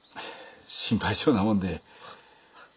心配性なもんで。